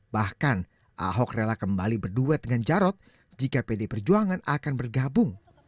bahkan ahok rela kembali berduet dengan jarod jika pd perjuangan akan bergabung